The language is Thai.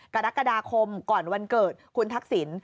กรกฎาคมก่อนวันเกิดคุณทักษิณ